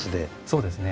そうですね。